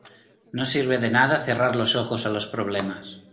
no sirve de nada cerrar los ojos a los problemas